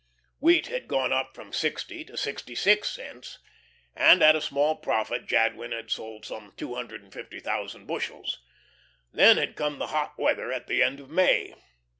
Wheat had gone up from sixty to sixty six cents, and at a small profit Jadwin had sold some two hundred and fifty thousand bushels. Then had come the hot weather at the end of May.